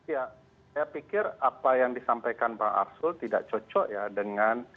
ya saya pikir apa yang disampaikan pak arsul tidak cocok ya dengan